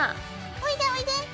おいでおいで。